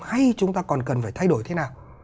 hay chúng ta còn cần phải thay đổi thế nào